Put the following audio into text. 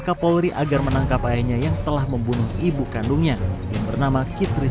kapolri agar menangkap ayahnya yang telah membunuh ibu kandungnya yang bernama kitri